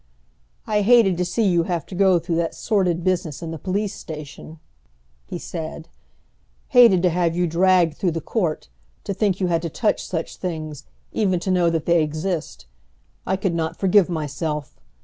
"I hated to see you have to go through that sordid business in the police station," he said, "hated to have you dragged through the court, to think you had to touch such things, even to know that they exist. I could not forgive myself!